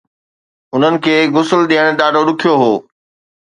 انهن کي غسل ڏيڻ ڏاڍو ڏکيو هو